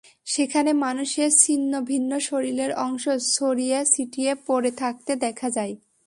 সেখানে মানুষের ছিন্নভিন্ন শরীরের অংশ ছড়িয়ে ছিটিয়ে পড়ে থাকতে দেখা যায়।